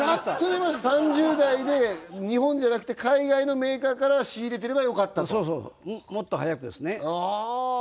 ３０代で日本じゃなくて海外のメーカーから仕入れてればよかったとそうそうそうもっと早くですね